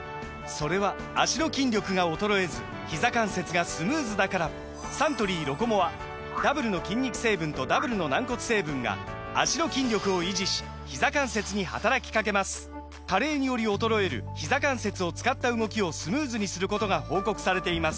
・それは脚の筋力が衰えずひざ関節がスムーズだからサントリー「ロコモア」ダブルの筋肉成分とダブルの軟骨成分が脚の筋力を維持しひざ関節に働きかけます加齢により衰えるひざ関節を使った動きをスムーズにすることが報告されています